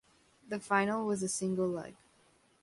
The final was a single leg.